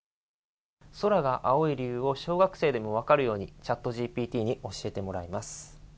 空が青い理由を小学生でも分かるようにＣｈａｔＧＰＴに教えてもらいます。